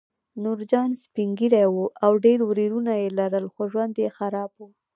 نورجان سپین ږیری و او ډېر ورېرونه یې لرل خو ژوند یې خراب و